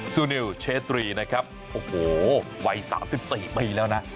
ซูนิวเชตรีนะครับโอ้โหวัย๓๔ปีแล้วนะ